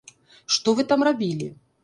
Што вы там рабілі?